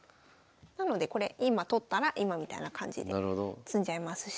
なのでこれ今取ったら今みたいな感じで詰んじゃいますし。